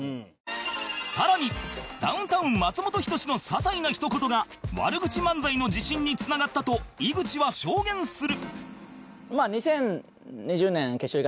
更にダウンタウン松本人志の些細なひと言が悪口漫才の自信につながったと井口は証言する